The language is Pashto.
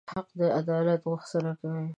حق د عدالت غوښتنه کوي.